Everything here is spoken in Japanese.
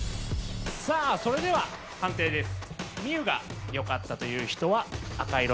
さあそれでは判定です。